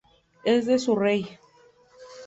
Es de Surrey.